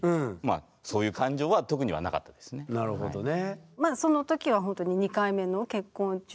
当然なるほどね。